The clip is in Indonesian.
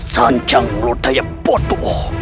sanjang lodaya bodoh